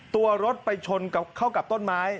ตัวรถไปชนเข้ากับต้นไม้